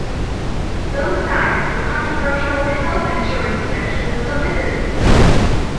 Both times the controversial "Health insurance..." section was omitted.